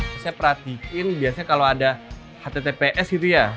saya perhatikan biasanya kalau ada https gitu ya